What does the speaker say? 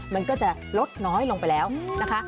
มันก็จะลดน้อยลงไปแล้วนะคะ